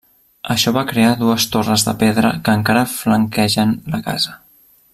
Això va crear dues torres de pedra que encara flanquegen la casa.